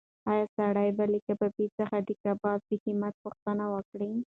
ایا سړی به له کبابي څخه د کباب د قیمت پوښتنه وکړي؟